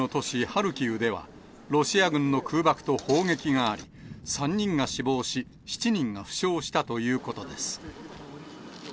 ハルキウでは、ロシア軍の空爆と砲撃があり、３人が死亡し、７人が負傷したということです。